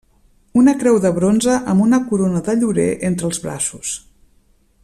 Una creu de bronze amb una corona de llorer entre els braços.